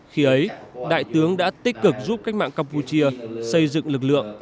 khi ấy đại tướng đã tích cực giúp cách mạng campuchia xây dựng lực lượng